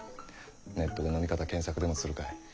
ネットで「飲み方」検索でもするかい？